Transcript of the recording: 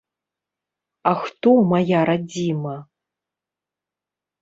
А хто мая радзіма?